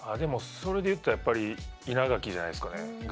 それでいうと、やっぱり稲垣じゃないですかね。